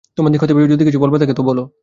তোমার দিক থেকে যদি কিছু বলবার থাকে তো বলো।